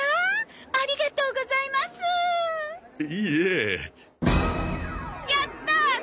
やったー！